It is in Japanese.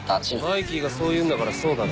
「マイキーがそう言うんだからそうだろ」